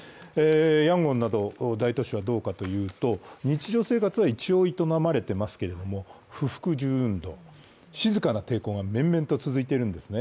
ヤンゴンなど大都市はどうかというと、日常生活は一応営まれていますけれども、不服従運動、静かな抵抗が面々と続いているんですね。